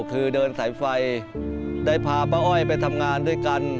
คือเดินสายไฟได้พาป้าอ้อยไปทำงานด้วยกัน